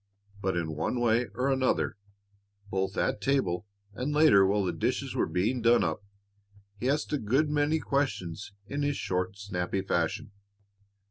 But in one way or another, both at table and later while the dishes were being done up, he asked a good many questions in his short, snappy fashion.